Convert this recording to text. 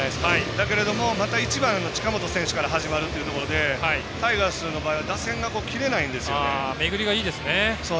だけれどもまた１番の近本選手から始まるというところでタイガースの場合は打線が切れないんですよね。